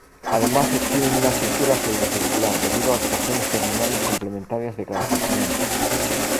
Además, exhiben una estructura pseudo-circular, debido a las porciones terminales complementarias de cada segmento.